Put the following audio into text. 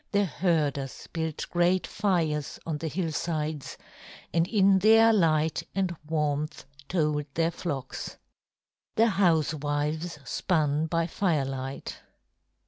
The herders built great fires on the hillsides, and in their light and warmth told their flocks. The housewives spun by firelight.